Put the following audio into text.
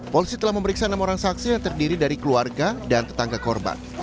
polisi telah memeriksa enam orang saksi yang terdiri dari keluarga dan tetangga korban